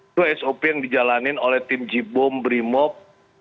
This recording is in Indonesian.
itu sop yang dijalanin oleh tim jibom brimob